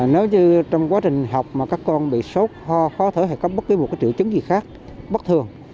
nếu như trong quá trình học mà các con bị sốt ho khó thở hay có bất kỳ một triệu chứng gì khác bất thường